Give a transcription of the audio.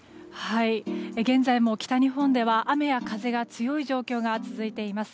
現在も北日本では雨や風が強い状況が続いています。